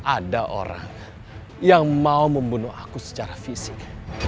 ada orang yang mau membunuh aku secara fisik